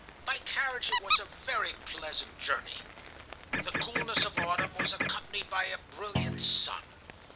By carriage it was a very pleasant journey. The coolness of autumn was accompanied by a brilliant sun.